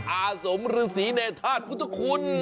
อาสมฤษีเนธาตุพุทธคุณ